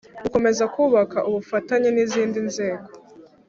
Gukomeza kubaka ubufatanye n izindi nzego